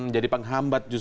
jadi penghambat justru